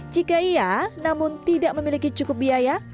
jika iya namun tidak memiliki cukup biaya